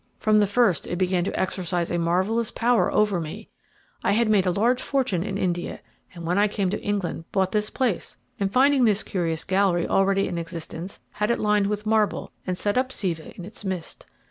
From the first it began to exercise a marvellous power over me. I had made a large fortune in India; and when I came to England, bought this place, and finding this curious gallery already in existence, had it lined with marble, and set up Siva in its midst.